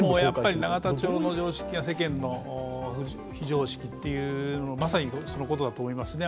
永田町の常識が世間の非常識というまさにそのことだと思いますね。